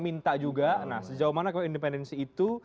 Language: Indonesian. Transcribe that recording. minta juga nah sejauh mana independensi itu